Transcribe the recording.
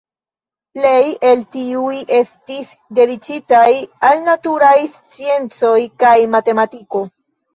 Plej el tiuj estis dediĉitaj al naturaj sciencoj kaj matematiko.